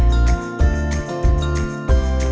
sampai kekeringatan dulu